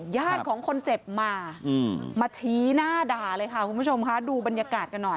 ญาติของคนเจ็บมามาชี้หน้าด่าเลยค่ะคุณผู้ชมค่ะดูบรรยากาศกันหน่อย